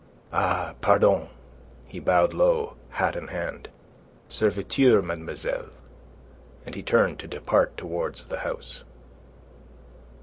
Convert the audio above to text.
"Ah, pardon!" he bowed low, hat in hand. "Serviteur, mademoiselle," and he turned to depart towards the house.